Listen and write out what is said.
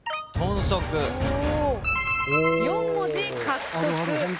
４文字獲得。